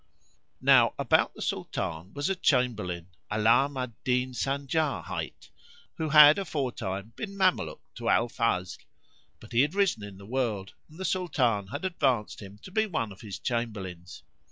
Now about the Sultan was a Chamberlain, Alam[FN#38] al Din Sanjar hight, who had aforetime been Mameluke to Al Fazl; but he had risen in the world and the Sultan had advanced him to be one of his Chamberlains.